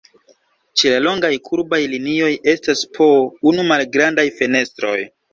Ĉe la longaj kurbaj linioj estas po unu malgrandaj fenestroj.